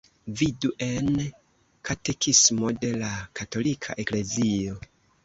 Vidu en Katekismo de la Katolika Eklezio.